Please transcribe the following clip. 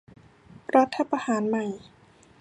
รัฐประหารใหม่